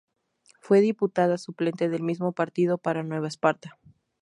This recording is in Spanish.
Fue diputada suplente del mismo partido para Nueva Esparta.